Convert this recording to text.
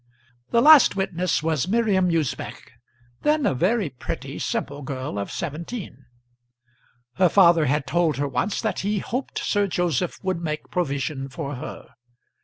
The last witness was Miriam Usbech, then a very pretty, simple girl of seventeen. Her father had told her once that he hoped Sir Joseph would make provision for her.